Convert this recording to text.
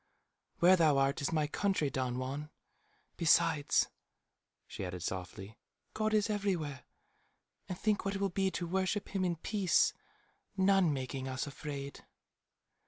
"Where thou art is my country, Don Juan. Besides," she added softly, "God is everywhere. And think what it will be to worship him in peace, none making us afraid."